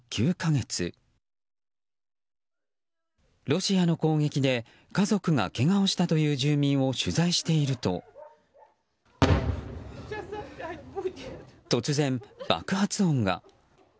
ロシアの攻撃で家族がけがをしたという住民を取材していると突然、爆発音が。